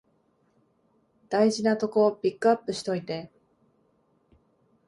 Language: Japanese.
大事なとこピックアップしといて